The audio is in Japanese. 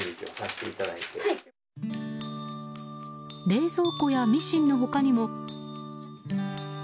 冷蔵庫やミシンの他にも。